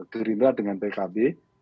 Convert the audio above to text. gerindra dengan pkb